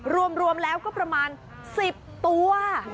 รวมแล้วก็ประมาณ๑๐ตัว